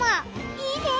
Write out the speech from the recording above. いいね！